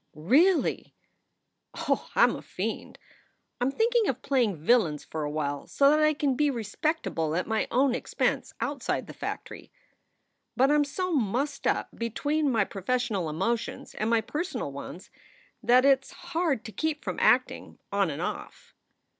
"Really!" "Oh, I m a fiend. I m thinking of playing villains for a while, so that I can be respectable at my own expense out side the factory. But I m so mussed up between my pro 82 SOULS FOR SALE fessional emotions and my personal ones that it s hard to keep from acting, on and off.